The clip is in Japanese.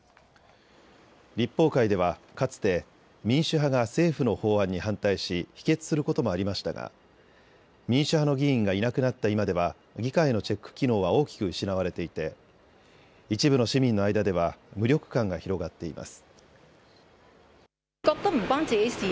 立法会ではかつて民主派が政府の法案に反対し否決することもありましたが民主派の議員がいなくなった今では議会のチェック機能は大きく失われていて一部の市民の間では無力感が広がっています。